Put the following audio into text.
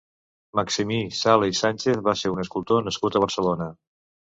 Maximí Sala i Sánchez va ser un escultor nascut a Barcelona.